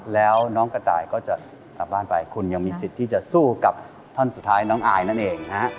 แล้วน้องกระต่ายก็จะกลับบ้านไปคุณยังมีสิทธิ์ที่จะสู้กับท่อนสุดท้ายน้องอายนั่นเองนะฮะ